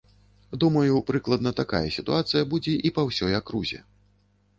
Думаю, прыкладна такая сітуацыя будзе і па ўсёй акрузе.